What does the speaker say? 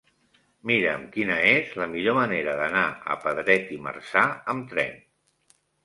Mira'm quina és la millor manera d'anar a Pedret i Marzà amb tren.